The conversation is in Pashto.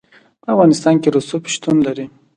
په افغانستان کې رسوب شتون لري.